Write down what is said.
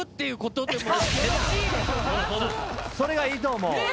それがいいと思う！